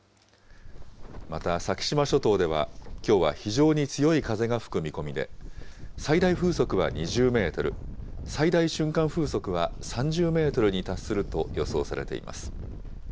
また先島諸島では、きょうは非常に強い風が吹く見込みで、最大風速は２０メートル、最大瞬間風速は３０メートルに達すると予想されています。